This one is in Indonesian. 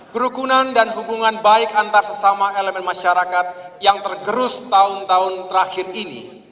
kerukunan dan hubungan baik antar sesama elemen masyarakat yang tergerus tahun tahun terakhir ini harus dipulihkan dan bahkan diperkuat